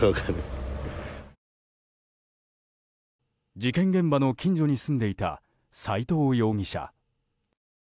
事件現場の近所に住んでいた斎藤容疑者。